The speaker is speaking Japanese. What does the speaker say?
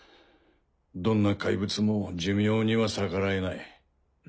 どんな怪物も寿命には逆らえない。